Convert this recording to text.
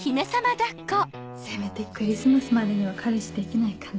せめてクリスマスまでには彼氏できないかな。